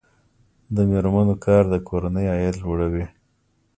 د میرمنو کار د کورنۍ عاید لوړوي.